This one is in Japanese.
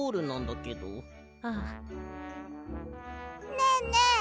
ねえねえ